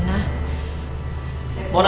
ijin aku tinggal disini